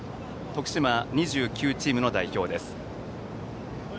徳島２９チームの代表です。